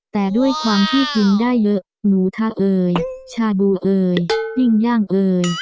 แต่ด้วยความที่กินได้เยอะหมูทาเอยชาบูเอยปิ้งย่างเอ่ย